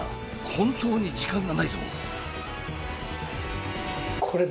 本当に時間がないぞ！